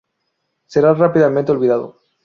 Será rápidamente olvidado.